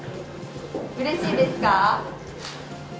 うれしいですか？